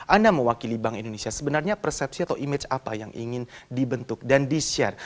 anda mewakili bank indonesia sebenarnya persepsi atau image apa yang ingin dibentuk dan di share